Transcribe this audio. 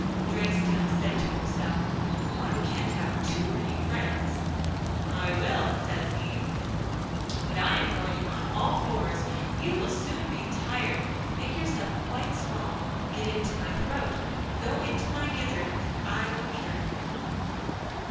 Drakestail said to himself: 'One can't have too many friends.' ... 'I will,' says he, 'but going on all fours you will soon be tired. Make yourself quite small, get into my throat—go into my gizzard and I will carry you.